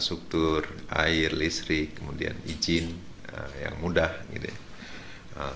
struktur air listrik kemudian izin yang mudah gitu ya